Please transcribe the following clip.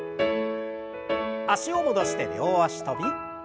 脚を戻して両脚跳び。